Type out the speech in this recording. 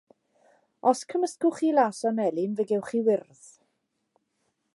Os cymysgwch chi las a melyn fe gewch chi wyrdd.